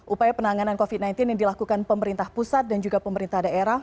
upaya penanganan covid sembilan belas yang dilakukan pemerintah pusat dan juga pemerintah daerah